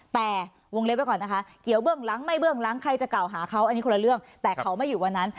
แต่วงเล็บไว้ก่อนนะคะเกี่ยวเบื้องหลังไม่เบื้องหลังใครจะกล่าวหาเขาอันนี้คนละเรื่องแต่เขาไม่อยู่วันนั้น